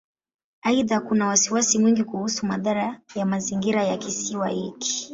Aidha, kuna wasiwasi mwingi kuhusu madhara ya mazingira ya Kisiwa hiki.